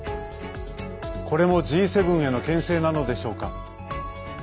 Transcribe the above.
これも、Ｇ７へのけん制なのでしょうか。